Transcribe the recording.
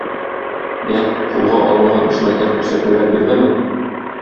Я, кулга алынган эшмәкәр күрсәтмәләр бирдеме?